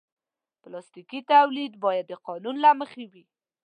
پلاستيکي تولید باید د قانون له مخې وي.